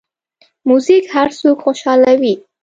موزیک هر څوک خوشحالوي.